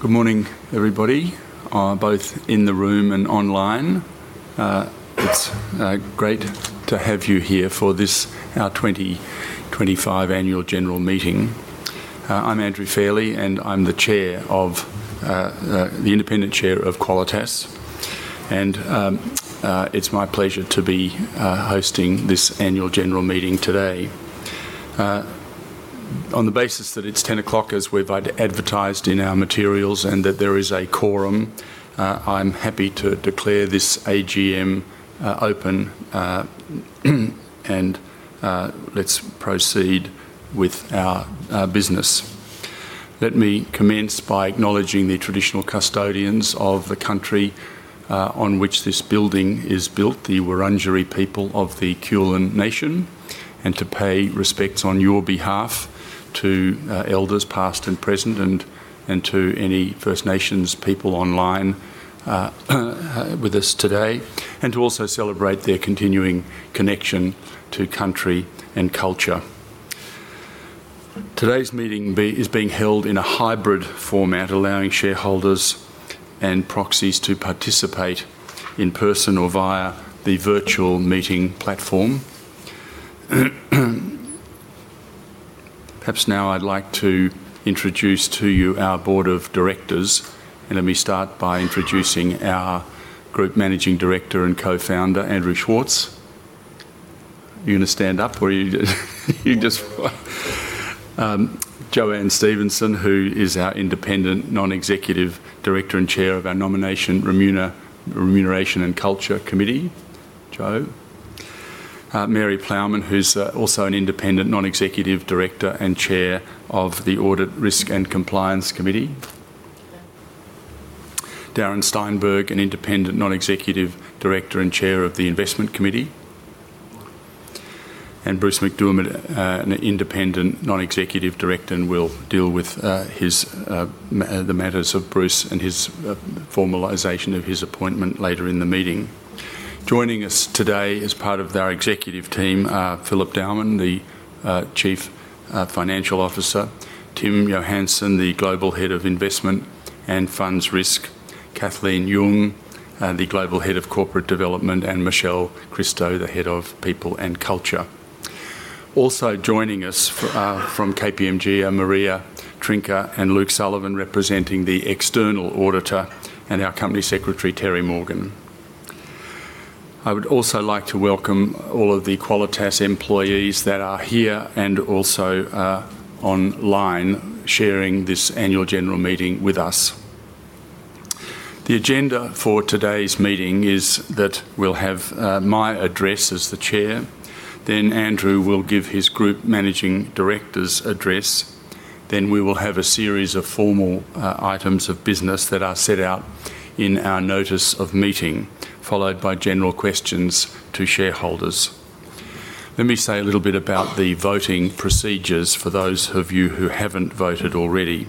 Good morning, everybody, both in the room and online. It's great to have you here for our 2025 Annual General Meeting. I'm Andrew Fairley, and I'm the Independent Chair of Qualitas, and it's my pleasure to be hosting this Annual General Meeting today. On the basis that it's 10:00 A.M., as we've advertised in our materials, and that there is a quorum, I'm happy to declare this AGM open, and let's proceed with our business. Let me commence by acknowledging the traditional custodians of the country on which this building is built, the Wurundjeri people of the Kulin Nation, and to pay respects on your behalf to elders past and present, and to any First Nations people online with us today, and to also celebrate their continuing connection to country and culture. Today's meeting is being held in a hybrid format, allowing shareholders and proxies to participate in person or via the virtual meeting platform. Perhaps now I'd like to introduce to you our Board of Directors, and let me start by introducing our Group Managing Director and Co-founder, Andrew Schwartz. You want to stand up, or you just... Joanne Stevenson, who is our Independent Non-Executive Director and Chair of our Nomination Remuneration and Culture Committee, Joe. Mary Plowman, who's also an Independent Non-Executive Director and Chair of the Audit Risk and Compliance Committee. Darren Steinberg, an Independent Non-Executive Director and Chair of the Investment Committee. Bruce McDermott, an Independent Non-Executive Director, and we'll deal with the matters of Bruce and his formalisation of his appointment later in the meeting. Joining us today as part of our executive team are Philip Dowman, the Chief Financial Officer; Tim Johansson, the Global Head of Investment and Funds Risk; Kathleen Yeung, the Global Head of Corporate Development; and Michelle Christo, the Head of People and Culture. Also joining us from KPMG are Maria Trinka and Luke Sullivan, representing the external auditor, and our Company Secretary, Terrie Morgan. I would also like to welcome all of the Qualitas employees that are here and also online sharing this Annual General Meeting with us. The agenda for today's meeting is that we'll have my address as the Chair, then Andrew will give his Group Managing Director's address, then we will have a series of formal items of business that are set out in our Notice of Meeting, followed by general questions to shareholders. Let me say a little bit about the voting procedures for those of you who have not voted already.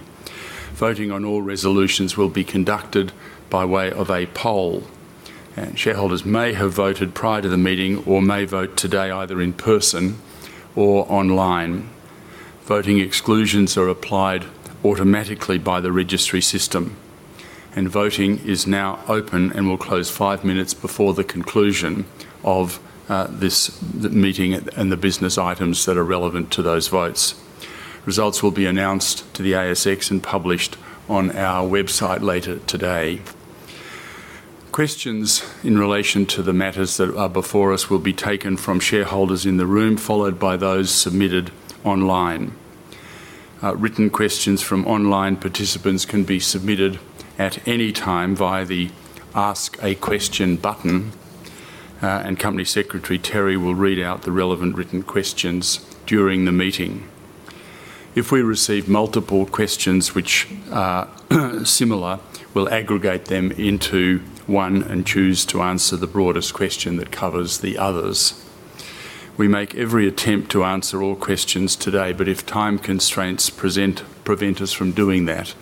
Voting on all resolutions will be conducted by way of a poll. Shareholders may have voted prior to the meeting or may vote today either in person or online. Voting exclusions are applied automatically by the registry system, and voting is now open and will close five minutes before the conclusion of this meeting and the business items that are relevant to those votes. Results will be announced to the ASX and published on our website later today. Questions in relation to the matters that are before us will be taken from shareholders in the room, followed by those submitted online. Written questions from online participants can be submitted at any time via the Ask a Question button, and Company Secretary Terrie will read out the relevant written questions during the meeting. If we receive multiple questions which are similar, we'll aggregate them into one and choose to answer the broadest question that covers the others. We make every attempt to answer all questions today, but if time constraints prevent us from doing that,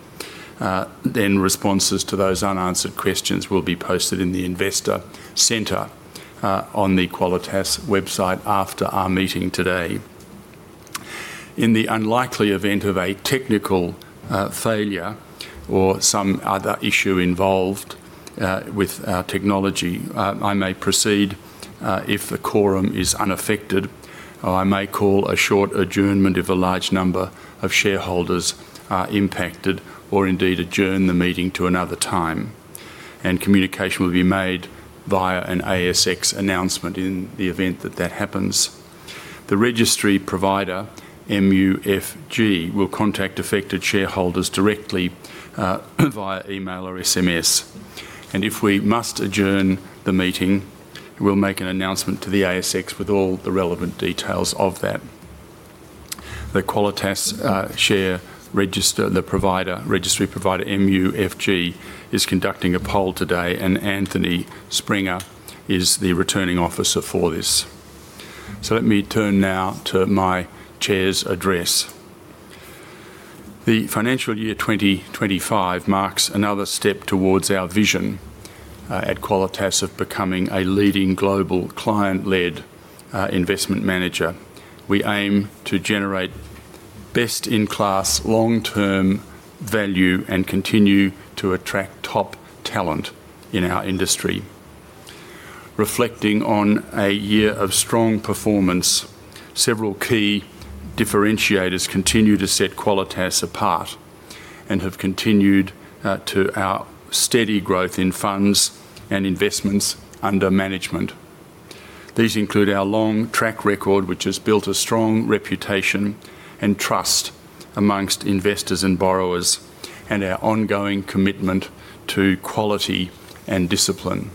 then responses to those unanswered questions will be posted in the Investor Centre on the Qualitas website after our meeting today. In the unlikely event of a technical failure or some other issue involved with our technology, I may proceed if the quorum is unaffected, or I may call a short adjournment if a large number of shareholders are impacted, or indeed adjourn the meeting to another time. Communication will be made via an ASX announcement in the event that that happens. The registry provider, MUFG, will contact affected shareholders directly via email or SMS. If we must adjourn the meeting, we will make an announcement to the ASX with all the relevant details of that. The Qualitas share register, the registry provider MUFG, is conducting a poll today, and Anthony Springer is the returning officer for this. Let me turn now to my Chair's address. The financial year 2025 marks another step towards our vision at Qualitas of becoming a leading global client-led investment manager. We aim to generate best-in-class long-term value and continue to attract top talent in our industry. Reflecting on a year of strong performance, several key differentiators continue to set Qualitas apart and have contributed to our steady growth in funds and investments under management. These include our long track record, which has built a strong reputation and trust amongst investors and borrowers, and our ongoing commitment to quality and discipline.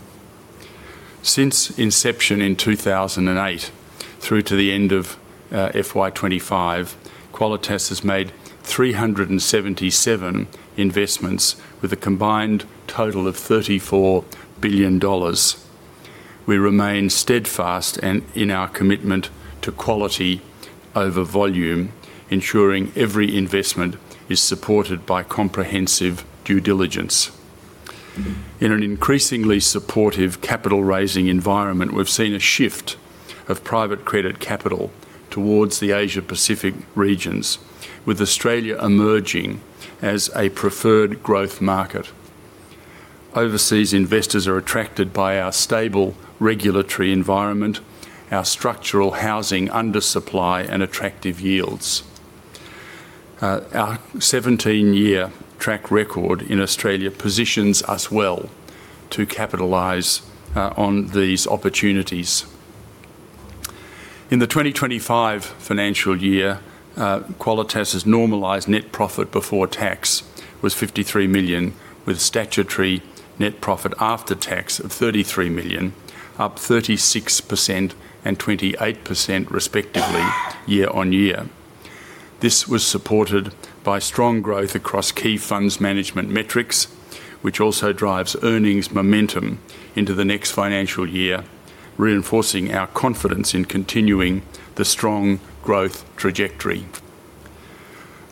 Since inception in 2008 through to the end of FY2025, Qualitas has made 377 investments with a combined total of 34 billion dollars. We remain steadfast in our commitment to quality over volume, ensuring every investment is supported by comprehensive due diligence. In an increasingly supportive capital-raising environment, we've seen a shift of private credit capital towards the Asia-Pacific regions, with Australia emerging as a preferred growth market. Overseas investors are attracted by our stable regulatory environment, our structural housing undersupply, and attractive yields. Our 17-year track record in Australia positions us well to capitalise on these opportunities. In the 2025 financial year, Qualitas's normalised net profit before tax was 53 million, with a statutory net profit after tax of 33 million, up 36% and 28% respectively year-on-year. This was supported by strong growth across key funds management metrics, which also drives earnings momentum into the next financial year, reinforcing our confidence in continuing the strong growth trajectory.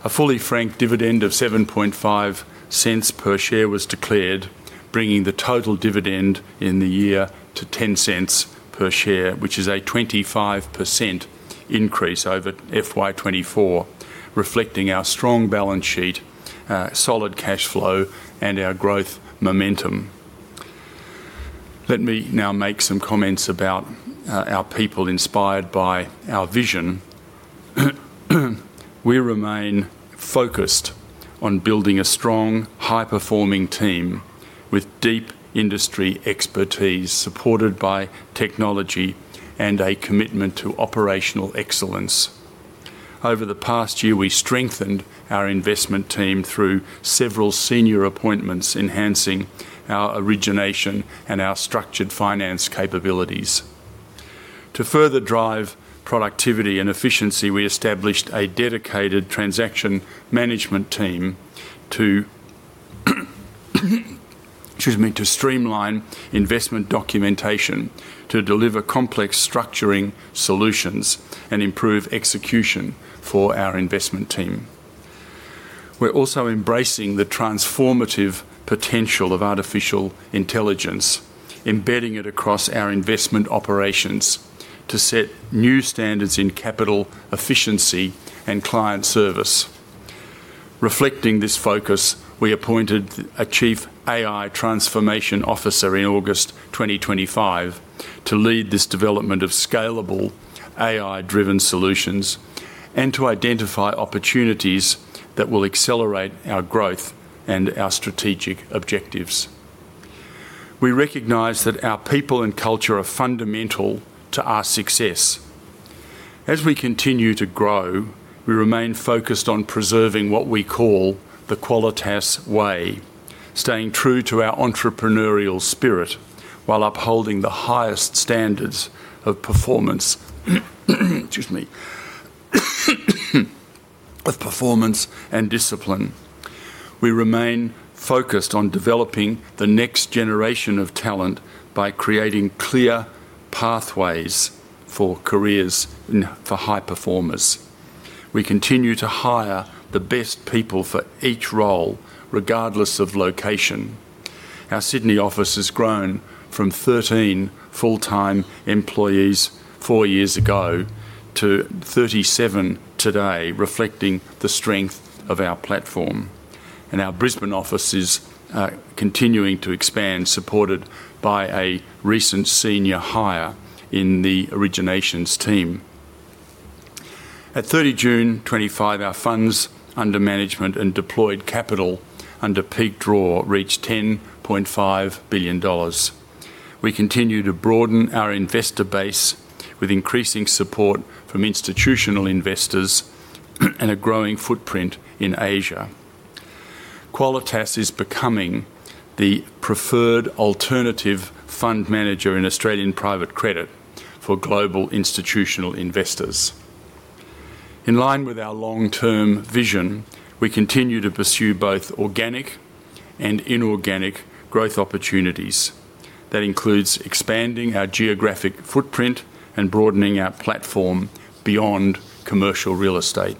A fully franked dividend of 0.075 per share was declared, bringing the total dividend in the year to 0.10 per share, which is a 25% increase over FY24, reflecting our strong balance sheet, solid cash flow, and our growth momentum. Let me now make some comments about our people inspired by our vision. We remain focused on building a strong, high-performing team with deep industry expertise supported by technology and a commitment to operational excellence. Over the past year, we strengthened our investment team through several senior appointments, enhancing our origination and our structured finance capabilities. To further drive productivity and efficiency, we established a dedicated transaction management team to streamline investment documentation, to deliver complex structuring solutions, and improve execution for our investment team. We are also embracing the transformative potential of artificial intelligence, embedding it across our investment operations to set new standards in capital efficiency and client service. Reflecting this focus, we appointed a Chief AI Transformation Officer in August 2025 to lead this development of scalable AI-driven solutions and to identify opportunities that will accelerate our growth and our strategic objectives. We recognize that our people and culture are fundamental to our success. As we continue to grow, we remain focused on preserving what we call the Qualitas Way, staying true to our entrepreneurial spirit while upholding the highest standards of performance and discipline. We remain focused on developing the next generation of talent by creating clear pathways for careers for high performers. We continue to hire the best people for each role, regardless of location. Our Sydney office has grown from 13 full-time employees four years ago to 37 today, reflecting the strength of our platform. Our Brisbane office is continuing to expand, supported by a recent senior hire in the originations team. At 30 June 2025, our funds under management and deployed capital under peak draw reached 10.5 billion dollars. We continue to broaden our investor base with increasing support from institutional investors and a growing footprint in Asia. Qualitas is becoming the preferred alternative fund manager in Australian private credit for global institutional investors. In line with our long-term vision, we continue to pursue both organic and inorganic growth opportunities. That includes expanding our geographic footprint and broadening our platform beyond commercial real estate.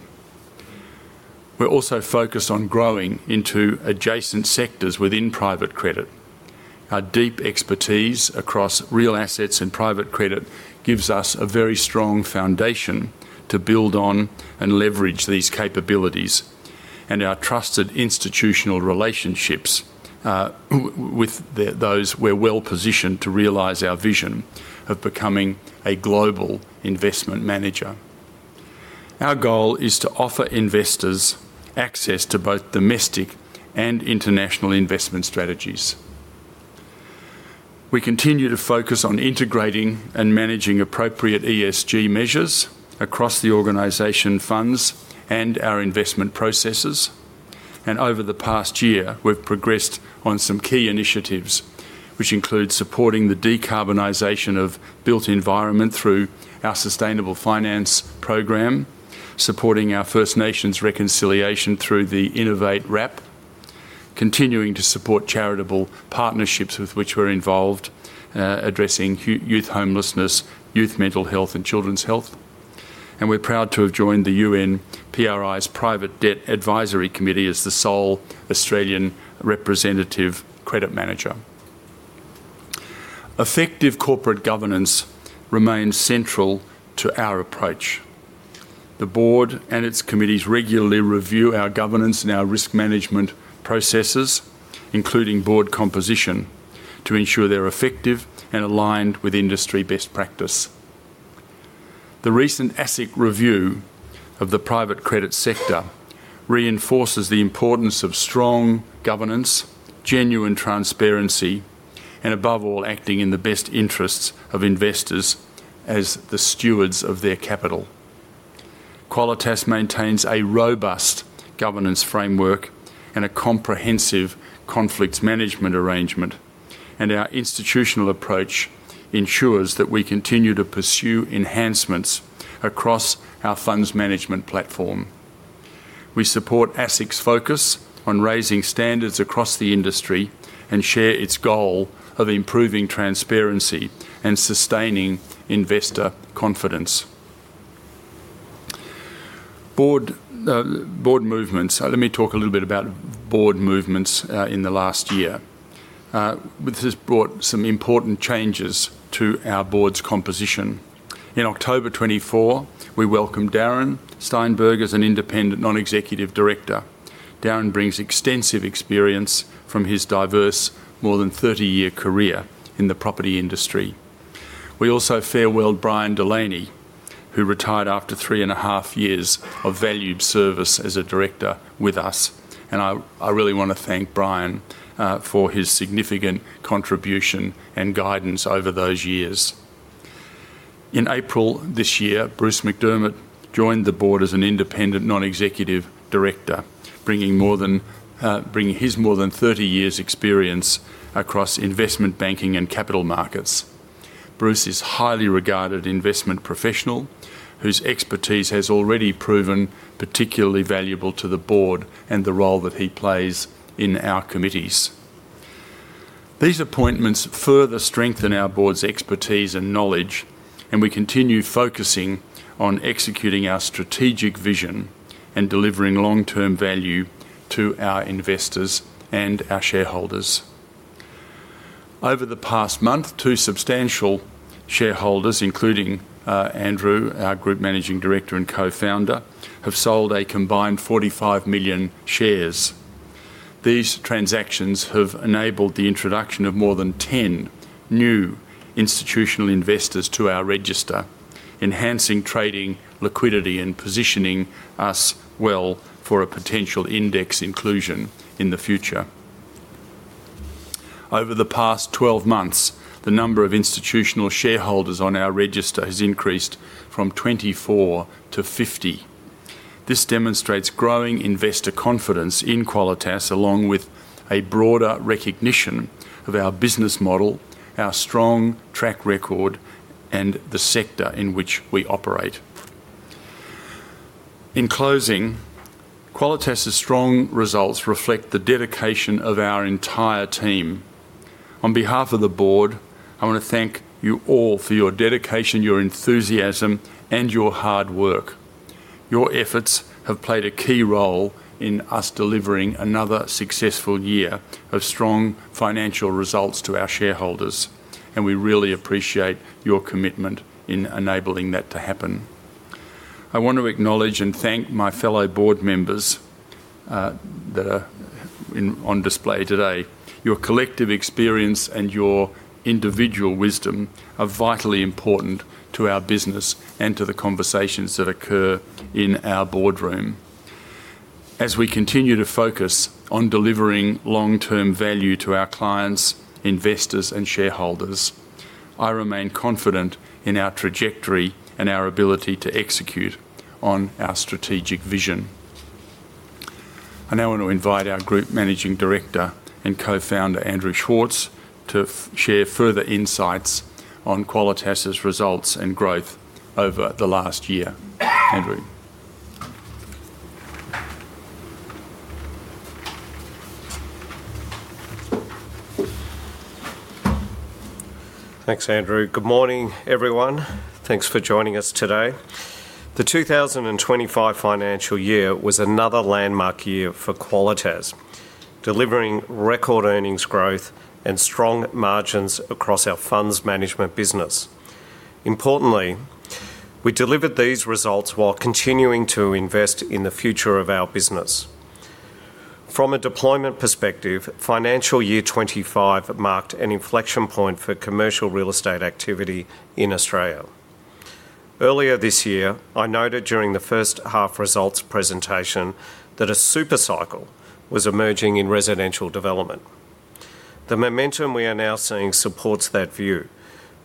We're also focused on growing into adjacent sectors within private credit. Our deep expertise across real assets and private credit gives us a very strong foundation to build on and leverage these capabilities, and our trusted institutional relationships with those we're well positioned to realise our vision of becoming a global investment manager. Our goal is to offer investors access to both domestic and international investment strategies. We continue to focus on integrating and managing appropriate ESG measures across the organization funds and our investment processes. Over the past year, we've progressed on some key initiatives, which include supporting the decarbonization of built environment through our sustainable finance program, supporting our First Nations reconciliation through the Innovate Wrap, continuing to support charitable partnerships with which we're involved addressing youth homelessness, youth mental health, and children's health. We're proud to have joined the UN PRI's Private Debt Advisory Committee as the sole Australian representative credit manager. Effective corporate governance remains central to our approach. The board and its committees regularly review our governance and our risk management processes, including board composition, to ensure they're effective and aligned with industry best practice. The recent ASIC review of the private credit sector reinforces the importance of strong governance, genuine transparency, and above all, acting in the best interests of investors as the stewards of their capital. Qualitas maintains a robust governance framework and a comprehensive conflict management arrangement, and our institutional approach ensures that we continue to pursue enhancements across our funds management platform. We support ASIC's focus on raising standards across the industry and share its goal of improving transparency and sustaining investor confidence. Board movements. Let me talk a little bit about board movements in the last year. This has brought some important changes to our board's composition. In October 2024, we welcomed Darren Steinberg as an Independent Non-Executive Director. Darren brings extensive experience from his diverse, more than 30-year career in the property industry. We also farewelled Brian Delaney, who retired after three and a half years of valued service as a director with us. I really want to thank Brian for his significant contribution and guidance over those years. In April this year, Bruce McDermott joined the board as an Independent Non-Executive Director, bringing his more than 30 years' experience across investment banking and capital markets. Bruce is a highly regarded investment professional whose expertise has already proven particularly valuable to the board and the role that he plays in our committees. These appointments further strengthen our board's expertise and knowledge, and we continue focusing on executing our strategic vision and delivering long-term value to our investors and our shareholders. Over the past month, two substantial shareholders, including Andrew, our Group Managing Director and Co-founder, have sold a combined 45 million shares. These transactions have enabled the introduction of more than 10 new institutional investors to our register, enhancing trading liquidity and positioning us well for a potential index inclusion in the future. Over the past 12 months, the number of institutional shareholders on our register has increased from 24 to 50. This demonstrates growing investor confidence in Qualitas, along with a broader recognition of our business model, our strong track record, and the sector in which we operate. In closing, Qualitas's strong results reflect the dedication of our entire team. On behalf of the board, I want to thank you all for your dedication, your enthusiasm, and your hard work. Your efforts have played a key role in us delivering another successful year of strong financial results to our shareholders, and we really appreciate your commitment in enabling that to happen. I want to acknowledge and thank my fellow board members that are on display today. Your collective experience and your individual wisdom are vitally important to our business and to the conversations that occur in our boardroom. As we continue to focus on delivering long-term value to our clients, investors, and shareholders, I remain confident in our trajectory and our ability to execute on our strategic vision. I now want to invite our Group Managing Director and Co-founder, Andrew Schwartz, to share further insights on Qualitas's results and growth over the last year. Andrew. Thanks, Andrew. Good morning, everyone. Thanks for joining us today. The 2025 financial year was another landmark year for Qualitas, delivering record earnings growth and strong margins across our funds management business. Importantly, we delivered these results while continuing to invest in the future of our business. From a deployment perspective, financial year 2025 marked an inflection point for commercial real estate activity in Australia. Earlier this year, I noted during the first half results presentation that a supercycle was emerging in residential development. The momentum we are now seeing supports that view,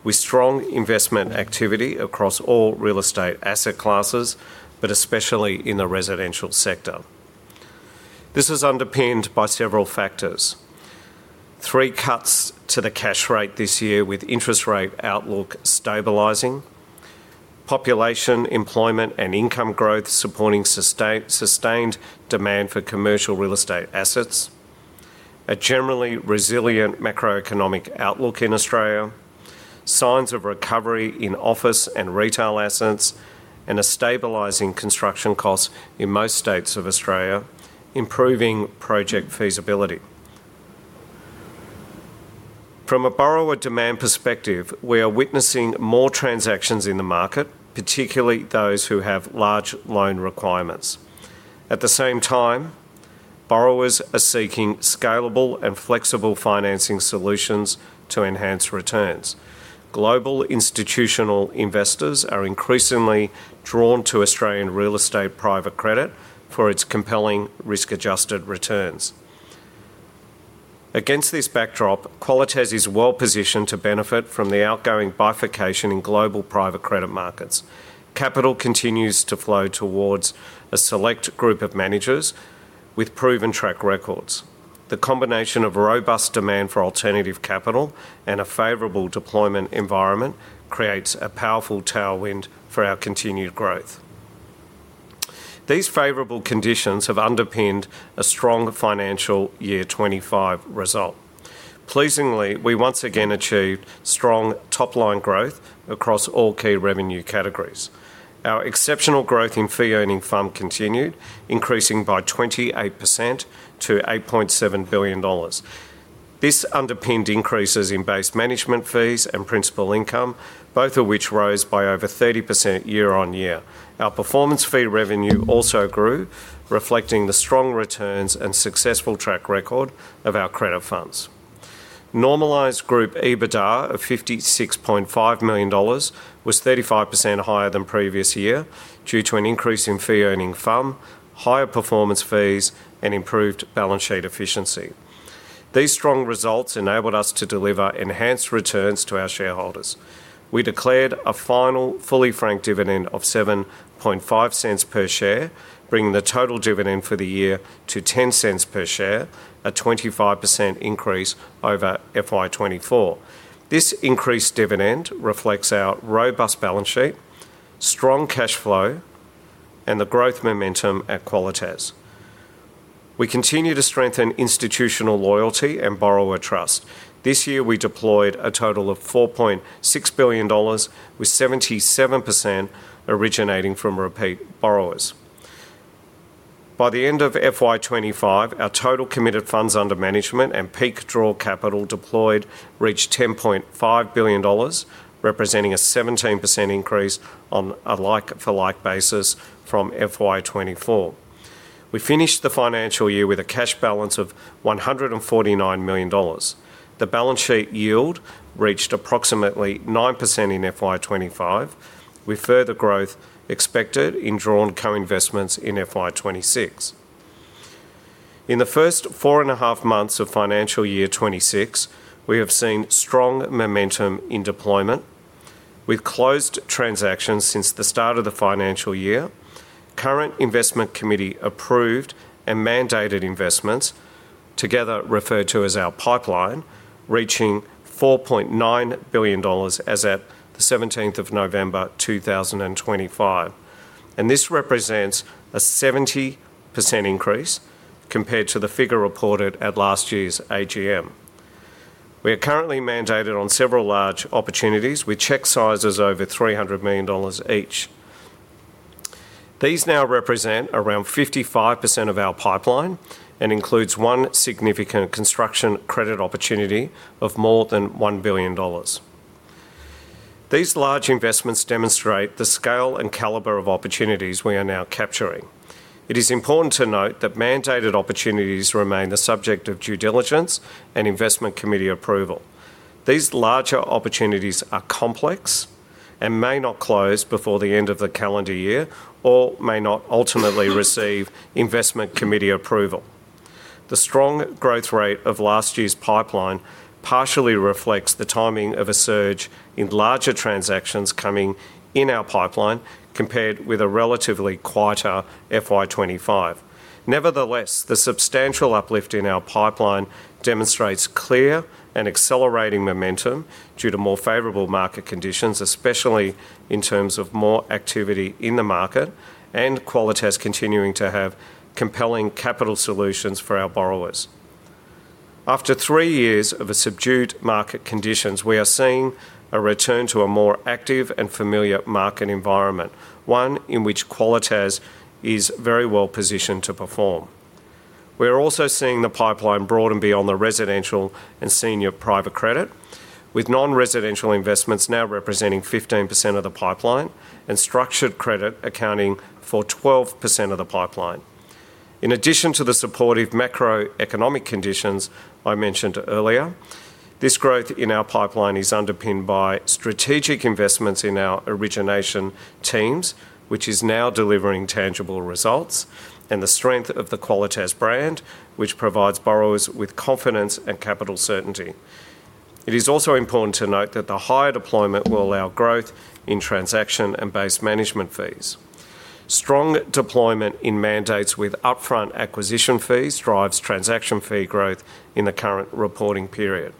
with strong investment activity across all real estate asset classes, but especially in the residential sector. This is underpinned by several factors: three cuts to the cash rate this year, with interest rate outlook stabilizing. Population, employment, and income growth supporting sustained demand for commercial real estate assets. A generally resilient macroeconomic outlook in Australia. Signs of recovery in office and retail assets. A stabilizing construction cost in most states of Australia, improving project feasibility. From a borrower demand perspective, we are witnessing more transactions in the market, particularly those who have large loan requirements. At the same time, borrowers are seeking scalable and flexible financing solutions to enhance returns. Global institutional investors are increasingly drawn to Australian real estate private credit for its compelling risk-adjusted returns. Against this backdrop, Qualitas is well positioned to benefit from the ongoing bifurcation in global private credit markets. Capital continues to flow towards a select group of managers with proven track records. The combination of robust demand for alternative capital and a favorable deployment environment creates a powerful tailwind for our continued growth. These favorable conditions have underpinned a strong financial year 2025 result. Pleasingly, we once again achieved strong top-line growth across all key revenue categories. Our exceptional growth in fee-earning fund continued, increasing by 28% to 8.7 billion dollars. This underpinned increases in base management fees and principal income, both of which rose by over 30% year-on-year. Our performance fee revenue also grew, reflecting the strong returns and successful track record of our credit funds. Normalized group EBITDA of 56.5 million dollars was 35% higher than previous year due to an increase in fee-earning fund, higher performance fees, and improved balance sheet efficiency. These strong results enabled us to deliver enhanced returns to our shareholders. We declared a final fully franked dividend of 0.075 per share, bringing the total dividend for the year to 0.10 per share, a 25% increase over FY 2024. This increased dividend reflects our robust balance sheet, strong cash flow, and the growth momentum at Qualitas. We continue to strengthen institutional loyalty and borrower trust. This year, we deployed a total of 4.6 billion dollars, with 77% originating from repeat borrowers. By the end of FY 2025, our total committed funds under management and peak draw capital deployed reached 10.5 billion dollars, representing a 17% increase on a like-for-like basis from FY 2024. We finished the financial year with a cash balance of 149 million dollars. The balance sheet yield reached approximately 9% in FY 2025, with further growth expected in drawn co-investments in FY 2026. In the first four and a half months of financial year 2026, we have seen strong momentum in deployment, with closed transactions since the start of the financial year, current investment committee approved and mandated investments, together referred to as our pipeline, reaching 4.9 billion dollars as at the 17th of November 2025. This represents a 70% increase compared to the figure reported at last year's AGM. We are currently mandated on several large opportunities with cheque sizes over 300 million dollars each. These now represent around 55% of our pipeline and include one significant construction credit opportunity of more than 1 billion dollars. These large investments demonstrate the scale and calibre of opportunities we are now capturing. It is important to note that mandated opportunities remain the subject of due diligence and investment committee approval. These larger opportunities are complex and may not close before the end of the calendar year or may not ultimately receive investment committee approval. The strong growth rate of last year's pipeline partially reflects the timing of a surge in larger transactions coming in our pipeline compared with a relatively quieter FY2025. Nevertheless, the substantial uplift in our pipeline demonstrates clear and accelerating momentum due to more favorable market conditions, especially in terms of more activity in the market and Qualitas continuing to have compelling capital solutions for our borrowers. After three years of subdued market conditions, we are seeing a return to a more active and familiar market environment, one in which Qualitas is very well positioned to perform. We are also seeing the pipeline broaden beyond the residential and senior private credit, with non-residential investments now representing 15% of the pipeline and structured credit accounting for 12% of the pipeline. In addition to the supportive macroeconomic conditions I mentioned earlier, this growth in our pipeline is underpinned by strategic investments in our origination teams, which is now delivering tangible results, and the strength of the Qualitas brand, which provides borrowers with confidence and capital certainty. It is also important to note that the higher deployment will allow growth in transaction and base management fees. Strong deployment in mandates with upfront acquisition fees drives transaction fee growth in the current reporting period.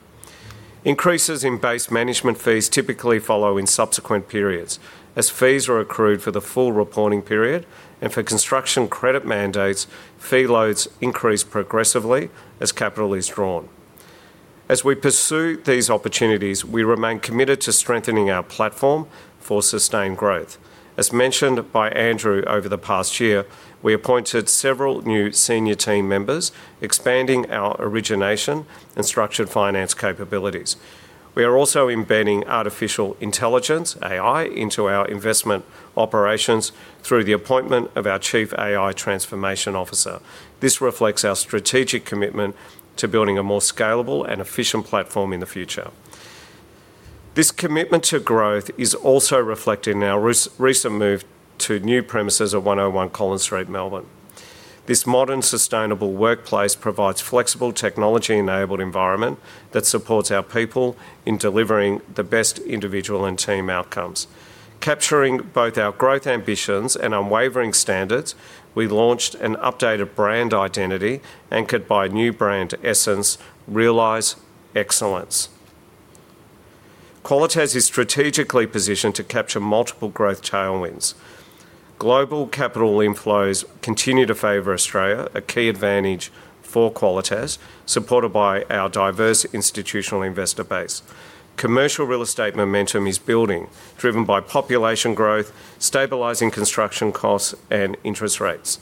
Increases in base management fees typically follow in subsequent periods as fees are accrued for the full reporting period, and for construction credit mandates, fee loads increase progressively as capital is drawn. As we pursue these opportunities, we remain committed to strengthening our platform for sustained growth. As mentioned by Andrew over the past year, we appointed several new senior team members, expanding our origination and structured finance capabilities. We are also embedding artificial intelligence, AI, into our investment operations through the appointment of our Chief AI Transformation Officer. This reflects our strategic commitment to building a more scalable and efficient platform in the future. This commitment to growth is also reflected in our recent move to new premises at 101 Collins Street, Melbourne. This modern, sustainable workplace provides a flexible technology-enabled environment that supports our people in delivering the best individual and team outcomes. Capturing both our growth ambitions and unwavering standards, we launched an updated brand identity anchored by a new brand, Essence Realize Excellence. Qualitas is strategically positioned to capture multiple growth tailwinds. Global capital inflows continue to favor Australia, a key advantage for Qualitas, supported by our diverse institutional investor base. Commercial real estate momentum is building, driven by population growth, stabilizing construction costs and interest rates.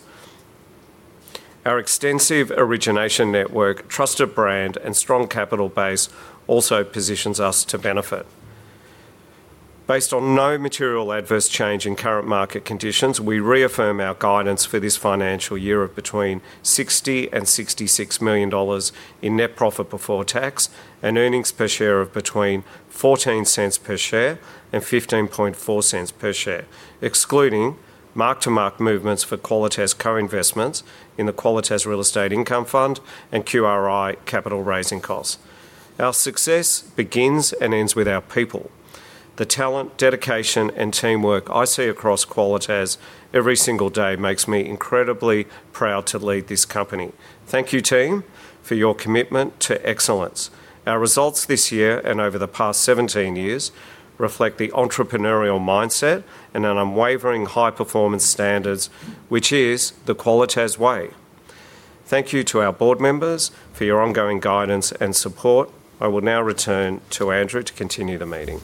Our extensive origination network, trusted brand, and strong capital base also positions us to benefit. Based on no material adverse change in current market conditions, we reaffirm our guidance for this financial year of between 60 million and 66 million dollars in net profit before tax and earnings per share of between 0.14 per share and 15.40 per share, excluding mark-to-mark movements for Qualitas co-investments in the Qualitas Real Estate Income Fund and QRI capital raising costs. Our success begins and ends with our people. The talent, dedication, and teamwork I see across Qualitas every single day makes me incredibly proud to lead this company. Thank you, team, for your commitment to excellence. Our results this year and over the past 17 years reflect the entrepreneurial mindset and unwavering high-performance standards, which is the Qualitas way. Thank you to our board members for your ongoing guidance and support. I will now return to Andrew to continue the meeting.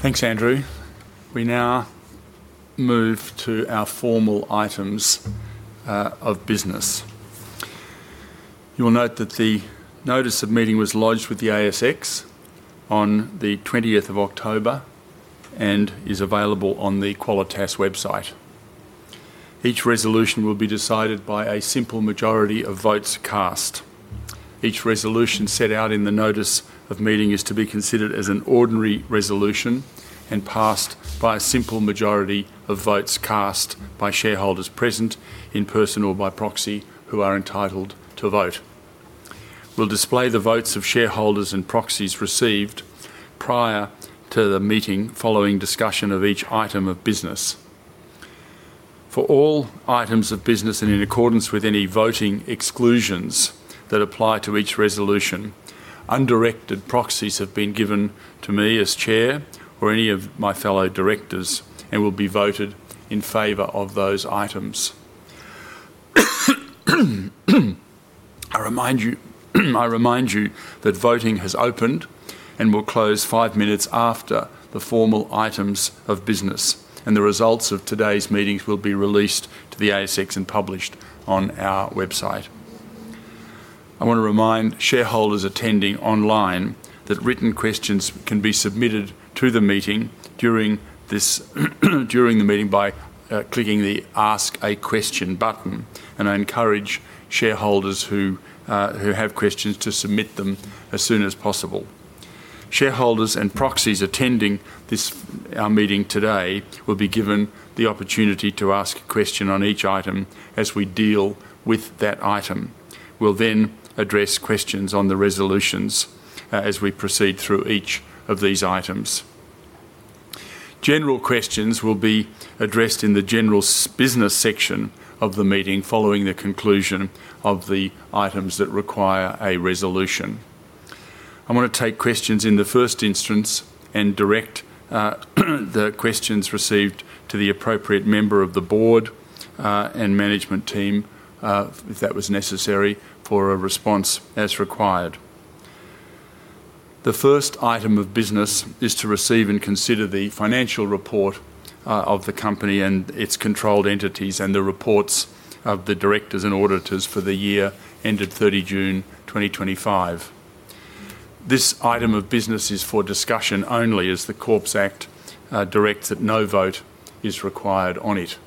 Thanks, Andrew. We now move to our formal items of business. You'll note that the notice of meeting was lodged with the ASX on the 20th of October and is available on the Qualitas website. Each resolution will be decided by a simple majority of votes cast. Each resolution set out in the notice of meeting is to be considered as an ordinary resolution and passed by a simple majority of votes cast by shareholders present in person or by proxy who are entitled to vote. We'll display the votes of shareholders and proxies received prior to the meeting following discussion of each item of business. For all items of business and in accordance with any voting exclusions that apply to each resolution, undirected proxies have been given to me as Chair or any of my fellow directors and will be voted in favor of those items. I remind you that voting has opened and will close five minutes after the formal items of business, and the results of today's meetings will be released to the ASX and published on our website. I want to remind shareholders attending online that written questions can be submitted to the meeting during the meeting by clicking the Ask a Question button, and I encourage shareholders who have questions to submit them as soon as possible. Shareholders and proxies attending our meeting today will be given the opportunity to ask a question on each item as we deal with that item. We'll then address questions on the resolutions as we proceed through each of these items. General questions will be addressed in the general business section of the meeting following the conclusion of the items that require a resolution. I want to take questions in the first instance and direct the questions received to the appropriate member of the board and management team if that was necessary for a response as required. The first item of business is to receive and consider the financial report of the company and its controlled entities and the reports of the directors and auditors for the year ended 30 June 2025. This item of business is for discussion only as the Corps Act directs that no vote is required on it.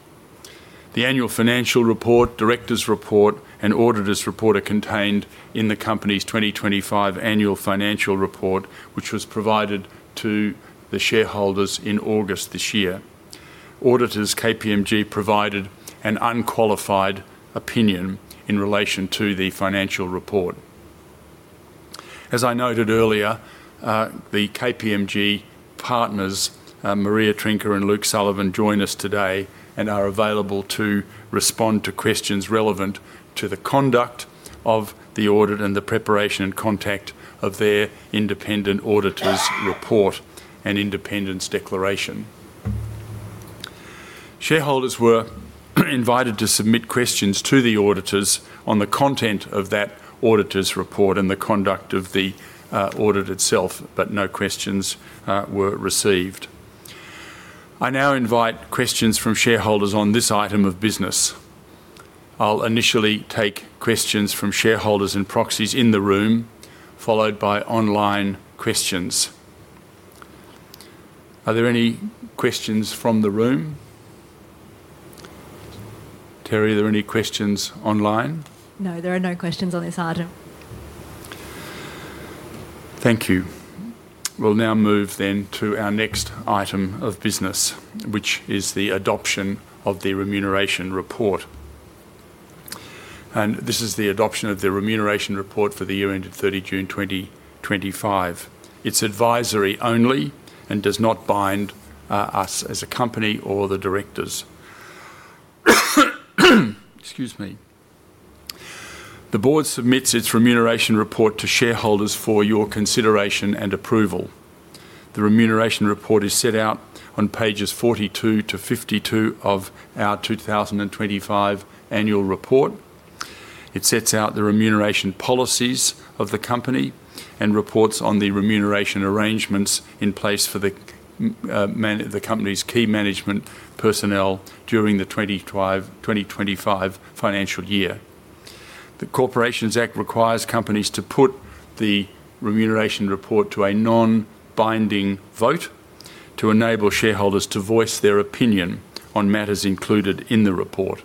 The annual financial report, directors' report, and auditor's report are contained in the company's 2025 annual financial report, which was provided to the shareholders in August this year. Auditors KPMG provided an unqualified opinion in relation to the financial report. As I noted earlier, the KPMG partners, Maria Trinka and Luke Sullivan, join us today and are available to respond to questions relevant to the conduct of the audit and the preparation and content of their independent auditor's report and independence declaration. Shareholders were invited to submit questions to the auditors on the content of that auditor's report and the conduct of the audit itself, but no questions were received. I now invite questions from shareholders on this item of business. I'll initially take questions from shareholders and proxies in the room, followed by online questions. Are there any questions from the room? Terrie, are there any questions online? No, there are no questions on this item. Thank you. We'll now move then to our next item of business, which is the adoption of the remuneration report. This is the adoption of the remuneration report for the year ended 30 June 2025. It's advisory only and does not bind us as a company or the directors. Excuse me. The board submits its remuneration report to shareholders for your consideration and approval. The remuneration report is set out on pages 42 to 52 of our 2025 annual report. It sets out the remuneration policies of the company and reports on the remuneration arrangements in place for the company's key management personnel during the 2025 financial year. The Corporations Act requires companies to put the remuneration report to a non-binding vote to enable shareholders to voice their opinion on matters included in the report.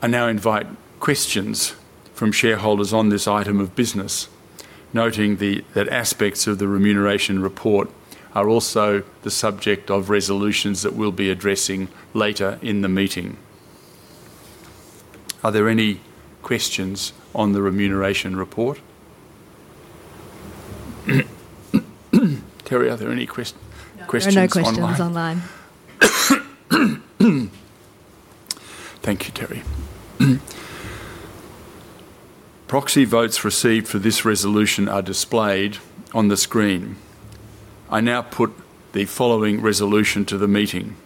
I now invite questions from shareholders on this item of business, noting that aspects of the remuneration report are also the subject of resolutions that we will be addressing later in the meeting. Are there any questions on the remuneration report? Terrie, are there any questions? No, no questions online. Thank you, Terrie. Proxy votes received for this resolution are displayed on the screen. I now put the following resolution to the meeting: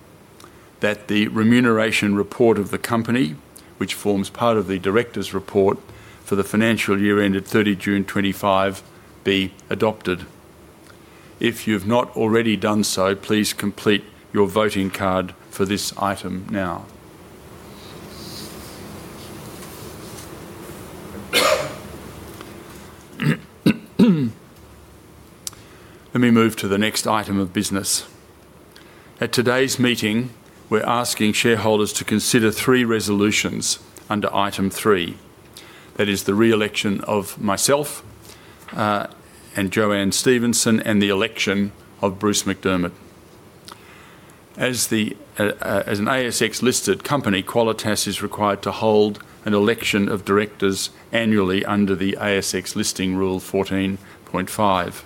that the remuneration report of the company, which forms part of the directors' report for the financial year ended 30 June 2025, be adopted. If you have not already done so, please complete your voting card for this item now. Let me move to the next item of business. At today's meeting, we're asking shareholders to consider three resolutions under item three. That is the re-election of myself and Joanne Stevenson and the election of Bruce McDermott. As an ASX-listed company, Qualitas is required to hold an election of directors annually under the ASX Listing Rule 14.5.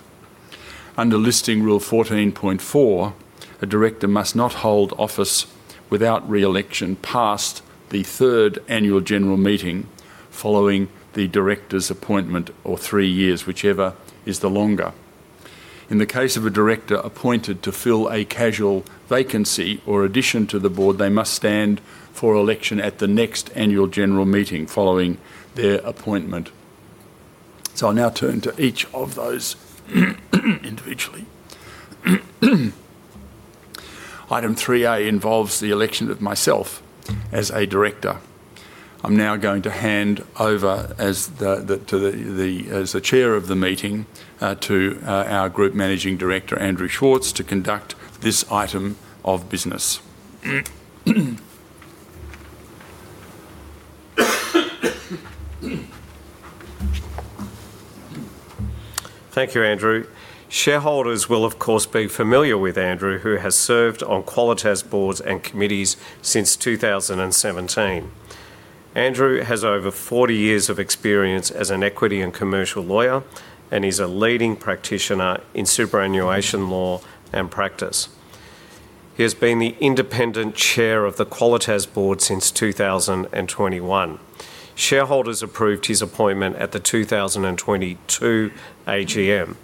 Under Listing Rule 14.4, a director must not hold office without re-election past the third annual general meeting following the director's appointment or three years, whichever is the longer. In the case of a director appointed to fill a casual vacancy or addition to the board, they must stand for election at the next annual general meeting following their appointment. I will now turn to each of those individually. Item 3A involves the election of myself as a director. I'm now going to hand over as the Chair of the meeting to our Group Managing Director, Andrew Schwartz, to conduct this item of business. Thank you, Andrew. Shareholders will, of course, be familiar with Andrew, who has served on Qualitas boards and committees since 2017. Andrew has over 40 years of experience as an equity and commercial lawyer and is a leading practitioner in superannuation law and practice. He has been the Independent Chair of the Qualitas board since 2021. Shareholders approved his appointment at the 2022 AGM.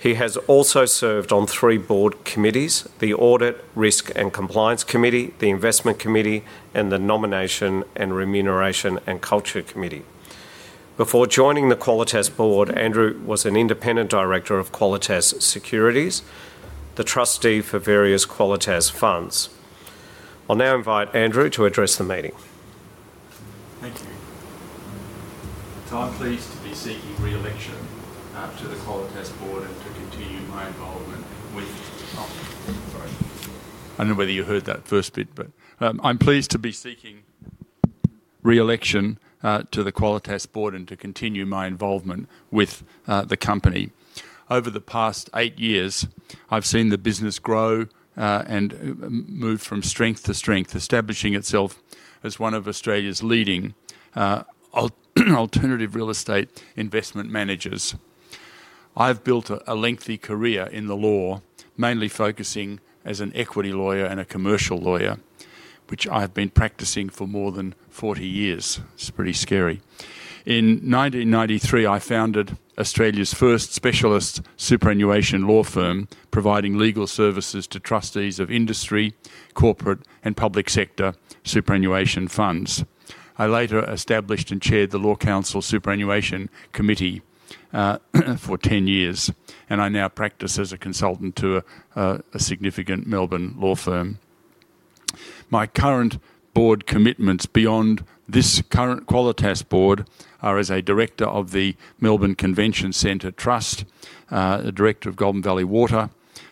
He has also served on three board committees: the Audit, Risk and Compliance Committee, the Investment Committee, and the Nomination and Remuneration and Culture Committee. Before joining the Qualitas board, Andrew was an Independent Director of Qualitas Securities, the trustee for various Qualitas funds. I'll now invite Andrew to address the meeting. Thank you. I'm pleased to be seeking re-election to the Qualitas board and to continue my involvement with the company. Sorry. I don't know whether you heard that first bit, but I'm pleased to be seeking re-election to the Qualitas board and to continue my involvement with the company. Over the past eight years, I've seen the business grow and move from strength to strength, establishing itself as one of Australia's leading alternative real estate investment managers. I've built a lengthy career in the law, mainly focusing as an equity lawyer and a commercial lawyer, which I have been practicing for more than 40 years. It's pretty scary. In 1993, I founded Australia's first specialist superannuation law firm, providing legal services to trustees of industry, corporate, and public sector superannuation funds. I later established and chaired the Law Council Superannuation Committee for 10 years, and I now practise as a consultant to a significant Melbourne law firm. My current board commitments beyond this current Qualitas board are as a director of the Melbourne Convention Centre Trust, the director of Golden Valley Water,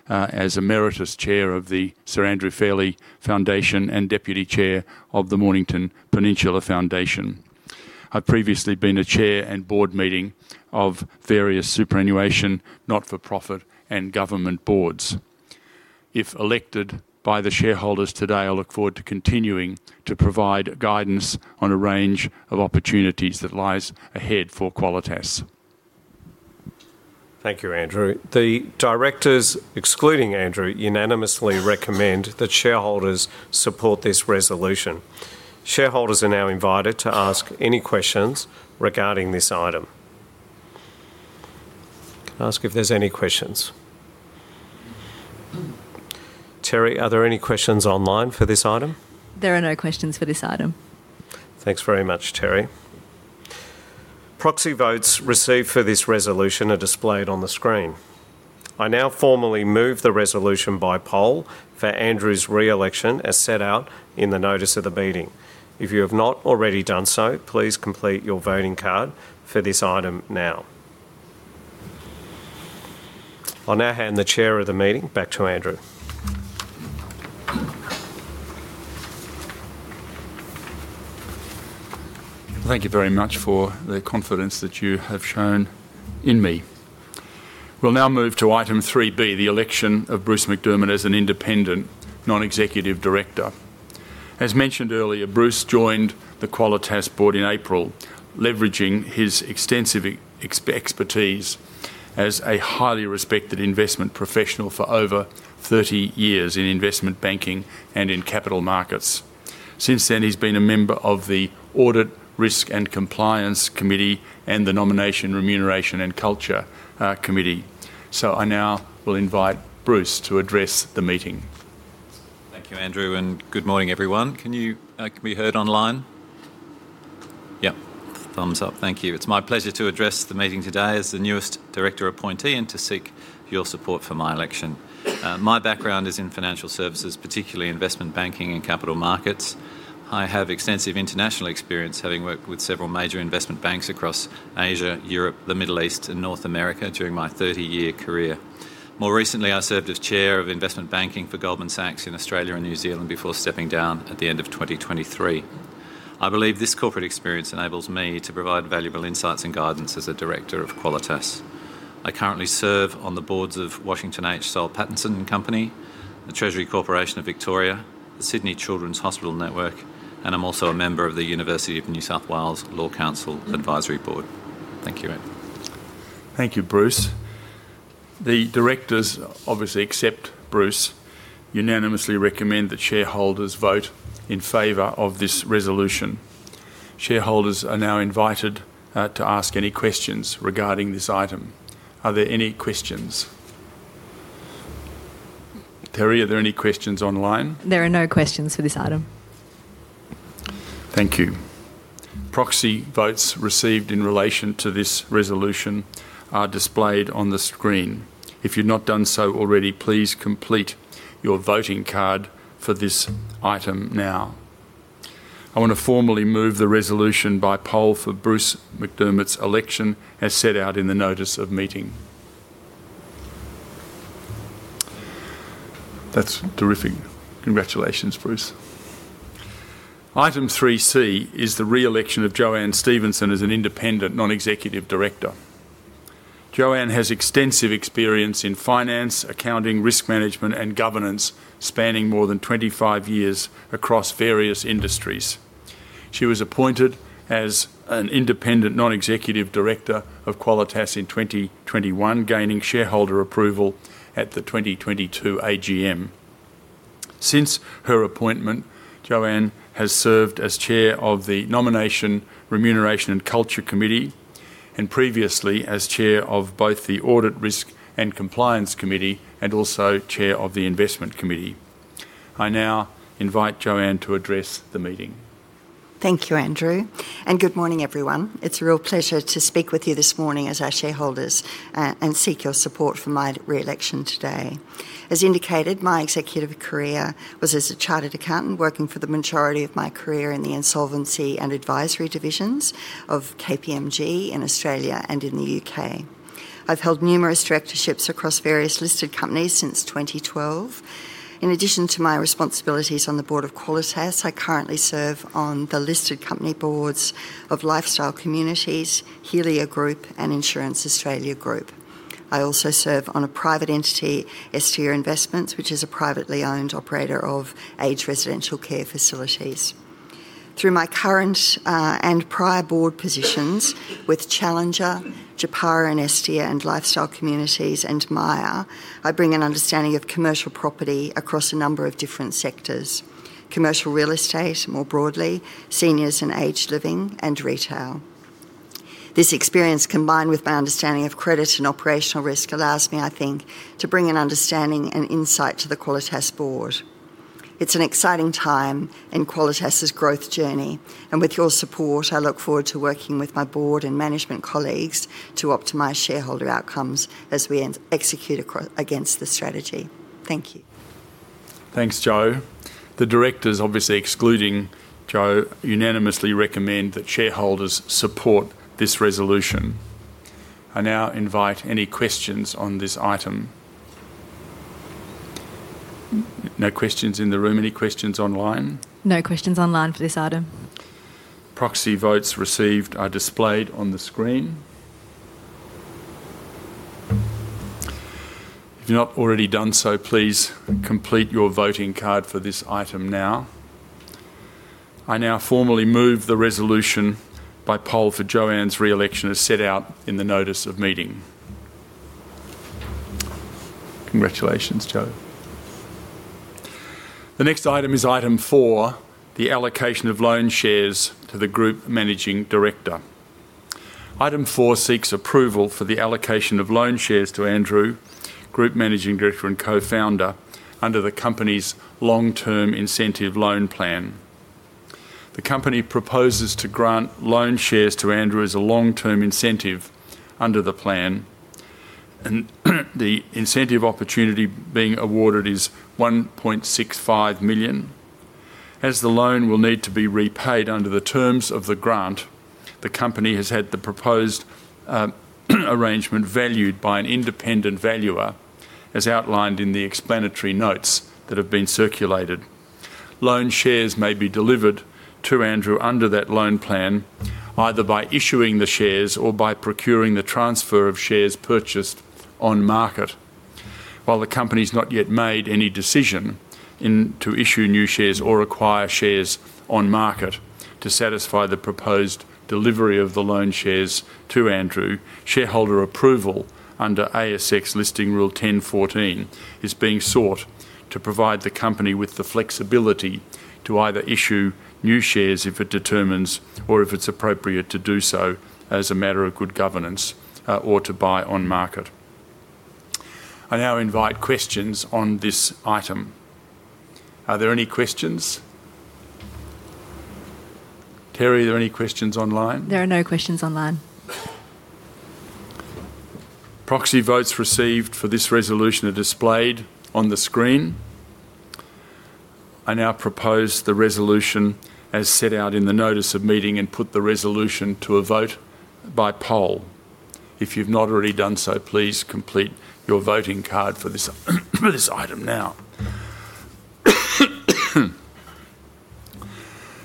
as emeritus chair of the Sir Andrew Fairley Foundation, and deputy chair of the Mornington Peninsula Foundation. I've previously been a chair and board member of various superannuation, not-for-profit, and government boards. If elected by the shareholders today, I look forward to continuing to provide guidance on a range of opportunities that lies ahead for Qualitas. Thank you, Andrew. The directors, excluding Andrew, unanimously recommend that shareholders support this resolution. Shareholders are now invited to ask any questions regarding this item. Can I ask if there's any questions? Terrie, are there any questions online for this item? There are no questions for this item. Thanks very much, Terrie. Proxy votes received for this resolution are displayed on the screen. I now formally move the resolution by poll for Andrew's re-election as set out in the notice of the meeting. If you have not already done so, please complete your voting card for this item now. I'll now hand the chair of the meeting back to Andrew. Thank you very much for the confidence that you have shown in me. We'll now move to item 3B, the election of Bruce McDermott as an Independent Non-Executive Director. As mentioned earlier, Bruce joined the Qualitas board in April, leveraging his extensive expertise as a highly respected investment professional for over 30 years in investment banking and in capital markets. Since then, he's been a member of the Audit, Risk and Compliance Committee and the Nomination, Remuneration and Culture Committee. I now will invite Bruce to address the meeting. Thank you, Andrew, and good morning, everyone. Can you be heard online? Yeah. Thumbs up. Thank you. It's my pleasure to address the meeting today as the newest director appointee and to seek your support for my election. My background is in financial services, particularly investment banking and capital markets. I have extensive international experience, having worked with several major investment banks across Asia, Europe, the Middle East, and North America during my 30-year career. More recently, I served as chair of investment banking for Goldman Sachs in Australia and New Zealand before stepping down at the end of 2023. I believe this corporate experience enables me to provide valuable insights and guidance as a director of Qualitas. I currently serve on the boards of Washington H. Soul Pattinson and Company, the Treasury Corporation of Victoria, the Sydney Children's Hospital Network, and I'm also a member of the University of New South Wales Law Council Advisory Board. Thank you, Andrew. Thank you, Bruce. The directors, obviously except Bruce, unanimously recommend that shareholders vote in favor of this resolution. Shareholders are now invited to ask any questions regarding this item. Are there any questions? Terrie, are there any questions online? There are no questions for this item. Thank you. Proxy votes received in relation to this resolution are displayed on the screen. If you've not done so already, please complete your voting card for this item now. I want to formally move the resolution by poll for Bruce McDermott's election as set out in the notice of meeting. That's terrific. Congratulations, Bruce. Item 3C is the re-election of Joanne Stevenson as an Independent Non-Executive Director. Joanne has extensive experience in finance, accounting, risk management, and governance, spanning more than 25 years across various industries. She was appointed as an Independent Non-Executive Director of Qualitas in 2021, gaining shareholder approval at the 2022 AGM. Since her appointment, JoAnne has served as Chair of the Nomination, Remuneration and Culture Committee and previously as Chair of both the Audit, Risk and Compliance Committee and also Chair of the Investment Committee. I now invite Joanne to address the meeting. Thank you, Andrew. Good morning, everyone. It's a real pleasure to speak with you this morning as our shareholders and seek your support for my re-election today. As indicated, my executive career was as a chartered accountant working for the majority of my career in the insolvency and advisory divisions of KPMG in Australia and in the U.K. I've held numerous directorships across various listed companies since 2012. In addition to my responsibilities on the board of Qualitas, I currently serve on the listed company boards of Lifestyle Communities, Helia Group, and Insurance Australia Group. I also serve on a private entity, Estia Investments, which is a privately owned operator of aged residential care facilities. Through my current and prior board positions with Challenger, Jipara and Estia and Lifestyle Communities and Maya, I bring an understanding of commercial property across a number of different sectors: commercial real estate more broadly, seniors and aged living, and retail. This experience, combined with my understanding of credit and operational risk, allows me, I think, to bring an understanding and insight to the Qualitas board. It's an exciting time in Qualitas's growth journey, and with your support, I look forward to working with my board and management colleagues to optimise shareholder outcomes as we execute against the strategy. Thank you. Thanks, JoAnne. The directors, obviously excluding Joe, unanimously recommend that shareholders support this resolution. I now invite any questions on this item. No questions in the room. Any questions online? No questions online for this item. Proxy votes received are displayed on the screen. If you've not already done so, please complete your voting card for this item now. I now formally move the resolution by poll for Joanne's re-election as set out in the notice of meeting. Congratulations, Joe. The next item is item four, the allocation of loan shares to the Group Managing Director. Item four seeks approval for the allocation of loan shares to Andrew, Group Managing Director and Co-founder, under the company's long-term incentive loan plan. The company proposes to grant loan shares to Andrew as a long-term incentive under the plan. The incentive opportunity being awarded is 1.65 million. As the loan will need to be repaid under the terms of the grant, the company has had the proposed arrangement valued by an independent valuer as outlined in the explanatory notes that have been circulated. Loan shares may be delivered to Andrew under that loan plan, either by issuing the shares or by procuring the transfer of shares purchased on market. While the company has not yet made any decision to issue new shares or acquire shares on market to satisfy the proposed delivery of the loan shares to Andrew, shareholder approval under ASX Listing Rule 10.14 is being sought to provide the company with the flexibility to either issue new shares if it determines or if it's appropriate to do so as a matter of good governance or to buy on market. I now invite questions on this item. Are there any questions? Terrie, are there any questions online? There are no questions online. Proxy votes received for this resolution are displayed on the screen. I now propose the resolution as set out in the notice of meeting and put the resolution to a vote by poll. If you've not already done so, please complete your voting card for this item now.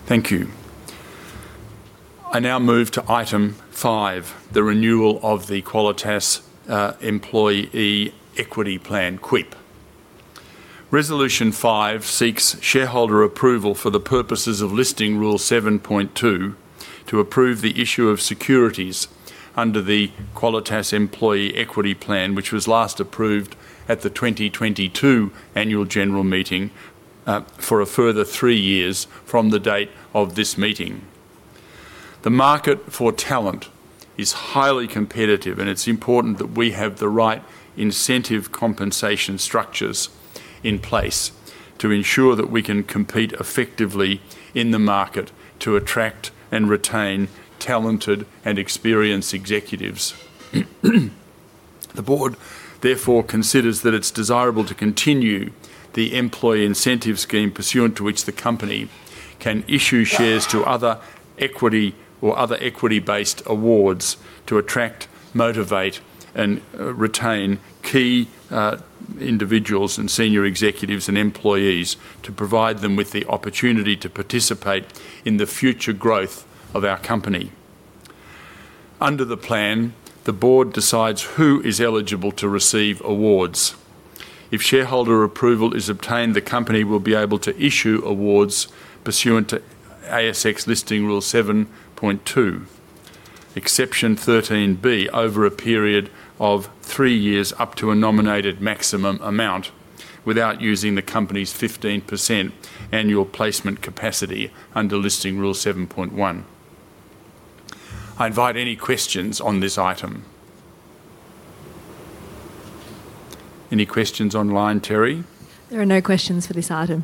Thank you. I now move to item five, the renewal of the Qualitas Employee Equity Plan, QEEP. Resolution five seeks shareholder approval for the purposes of Listing Rule 7.2 to approve the issue of securities under the Qualitas Employee Equity Plan, which was last approved at the 2022 Annual General Meeting for a further three years from the date of this meeting. The market for talent is highly competitive, and it's important that we have the right incentive compensation structures in place to ensure that we can compete effectively in the market to attract and retain talented and experienced executives. The board therefore considers that it's desirable to continue the employee incentive scheme pursuant to which the company can issue shares or other equity-based awards to attract, motivate, and retain key individuals and senior executives and employees to provide them with the opportunity to participate in the future growth of our company. Under the plan, the board decides who is eligible to receive awards. If shareholder approval is obtained, the company will be able to issue awards pursuant to ASX Listing Rule 7.2, Exception 13B, over a period of three years up to a nominated maximum amount without using the company's 15% annual placement capacity under Listing Rule 7.1. I invite any questions on this item. Any questions online, Terrie? There are no questions for this item.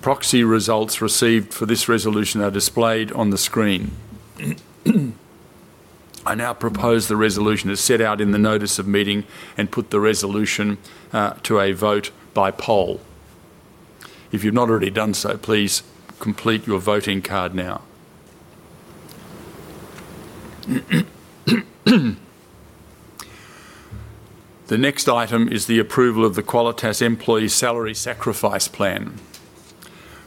Proxy results received for this resolution are displayed on the screen. I now propose the resolution as set out in the notice of meeting and put the resolution to a vote by poll. If you've not already done so, please complete your voting card now. The next item is the approval of the Qualitas Employee Salary Sacrifice Plan.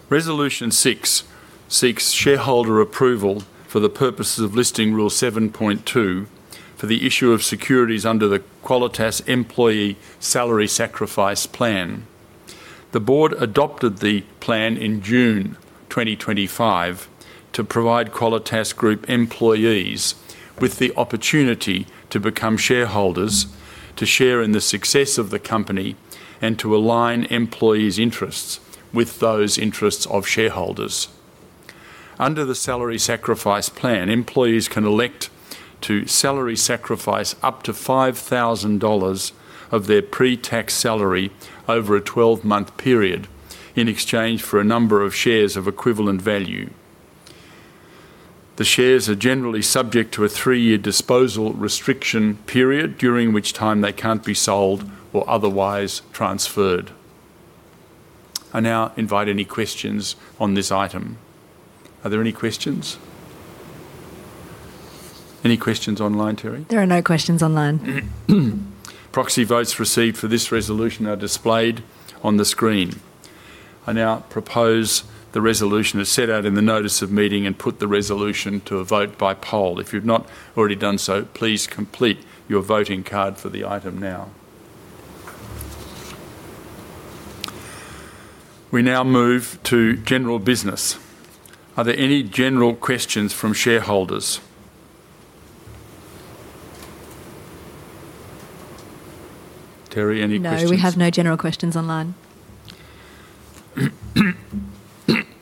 Resolution six seeks shareholder approval for the purposes of Listing Rule 7.2 for the issue of securities under the Qualitas Employee Salary Sacrifice Plan. The board adopted the plan in June 2023 to provide Qualitas Group employees with the opportunity to become shareholders, to share in the success of the company, and to align employees' interests with those interests of shareholders. Under the Salary Sacrifice Plan, employees can elect to salary sacrifice up to 5,000 dollars of their pre-tax salary over a 12-month period in exchange for a number of shares of equivalent value. The shares are generally subject to a three-year disposal restriction period, during which time they can't be sold or otherwise transferred. I now invite any questions on this item. Are there any questions? Any questions online, Terrie? There are no questions online. Proxy votes received for this resolution are displayed on the screen. I now propose the resolution as set out in the notice of meeting and put the resolution to a vote by poll. If you've not already done so, please complete your voting card for the item now. We now move to general business. Are there any general questions from shareholders? Terrie, any questions? No, we have no general questions online.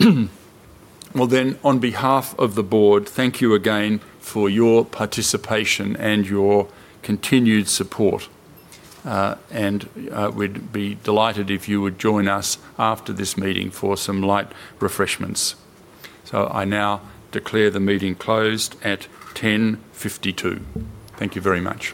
On behalf of the board, thank you again for your participation and your continued support. We'd be delighted if you would join us after this meeting for some light refreshments. I now declare the meeting closed at 10:52 A.M. Thank you very much.